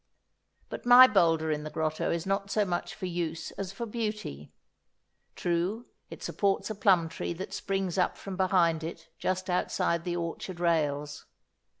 But my boulder in the grotto is not so much for use as for beauty. True, it supports a plum tree that springs up from behind it, just outside the orchard rails.